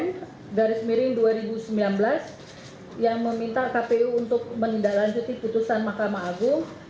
pemilin dua ribu sembilan belas yang meminta kpu untuk menindaklanjuti putusan mahkamah agung